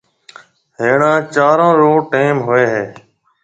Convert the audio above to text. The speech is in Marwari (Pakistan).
هڻيَ چارون رو ٽيم هوئي هيَ۔